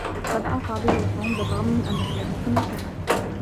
بدأ فاضل يصوم بالرّغم من أنّه لم يكن مسلما.